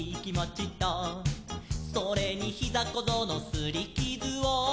「それにひざこぞうのすりきずを」